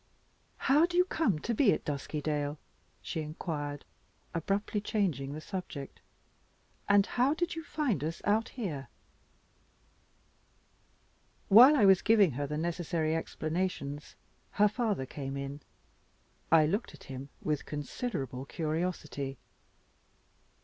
"How do you come to be at Duskydale?" she inquired, abruptly changing the subject. "And how did you find us out here?" While I was giving her the necessary explanations her father came in. I looked at him with considerable curiosity.